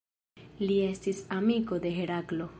Li estis amiko de Heraklo.